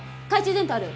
電灯ある？